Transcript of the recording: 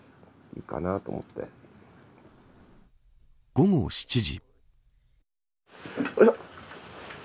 午後７時。